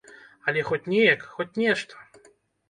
Але хоць неяк, хоць нешта.